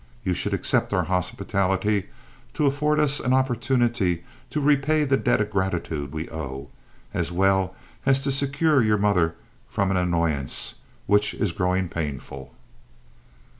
You should accept our hospitality to afford us an opportunity to repay the debt of gratitude we owe, as well as to secure your mother from an annoyance, which is growing painful."